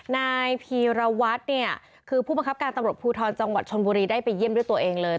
นายพีรวัตรเนี่ยคือผู้บังคับการตำรวจภูทรจังหวัดชนบุรีได้ไปเยี่ยมด้วยตัวเองเลย